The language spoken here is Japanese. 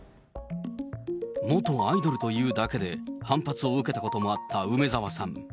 元アイドルというだけで反発を受けたこともあった梅澤さん。